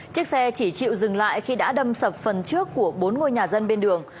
chiếc xe chỉ chịu dừng lại khi đã đâm sập phần trước của bốn ngôi nhà dân bên đường